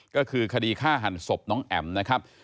ก็คือคดีฆ่าหันศพน้องแอ๋มนะครับ